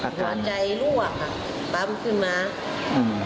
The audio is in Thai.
หัวใจรั่วค่ะปั๊มขึ้นมาอืม